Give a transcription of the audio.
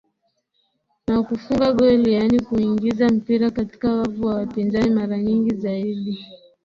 na kufunga goli yaani kuuingiza mpira katika wavu wa wapinzani mara nyingi zaidi